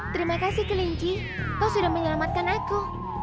terima kasih kelinci kau sudah menyelamatkan aku